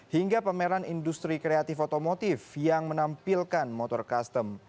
hingga pameran industri kreatif otomotif yang menampilkan motor custom